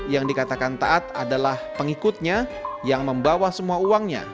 yang dikatakan taat adalah pengikutnya yang membawa semua uangnya